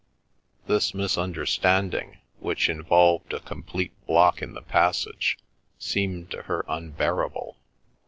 This misunderstanding, which involved a complete block in the passage, seemed to her unbearable.